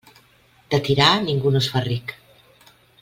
De tirar, ningú no es fa ric.